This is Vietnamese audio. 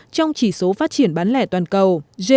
trong chỉ số phát triển bán lẻ toàn cầu